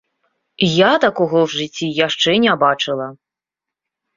Я такога ў жыцці яшчэ не бачыла!